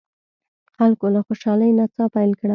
خلکو له خوشالۍ نڅا پیل کړه.